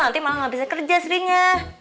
nanti malah gak bisa kerja sri nya